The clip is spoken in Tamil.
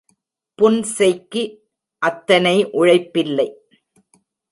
புன்செய்க்கு அத்தனை உழைப்பில்லை.